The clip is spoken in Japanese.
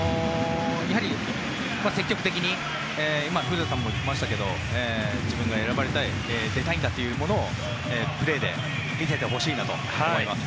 積極的に古田さんも言ってましたが自分が選ばれたい出たいんだということをプレーで見せてもらいたいなと思います。